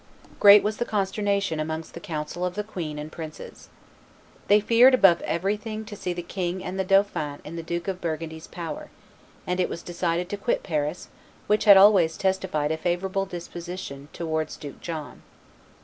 Great was the consternation amongst the council of the queen and princes. They feared above everything to see the king and the dauphin in the Duke of Burgundy's power; and it was decided to quit Paris, which had always testified a favorable disposition towards Duke John.